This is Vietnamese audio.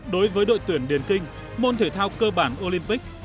đối với đội tuyển điền kinh môn thể thao cơ bản olympic